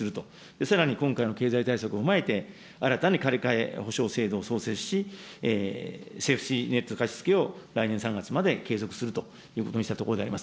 さらに今回の経済対策を踏まえて、新たに借り換え保証制度を創設し、セーフティーネット貸し付けを来年３月まで継続するということにしたところでございます。